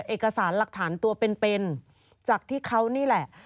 เอกสารหลักฐานตัวเป็นจากที่เขานี่แหละ